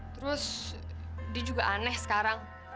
terus dia juga aneh sekarang